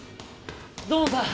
土門さん！